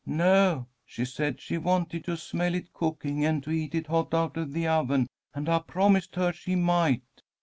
"No, she said she wanted to smell it cooking, and to eat it hot out of the oven, and I promised her she might."